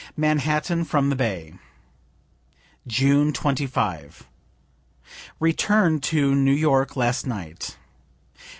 MANHATTAN FROM THE BAY June 25. Returned to New York last night.